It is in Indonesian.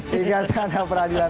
singgah sana peradilan